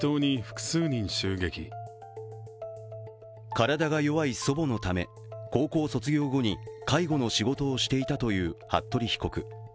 体が弱い祖母のため、高校卒業後に介護の仕事をしていたという服部被告。